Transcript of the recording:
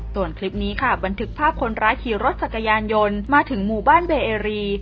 ส่วนคลิปนี้ค่ะบันทึกภาพคนร้ายขี่รถจักรยานยนต์มาถึงหมู่บ้านเบเอรี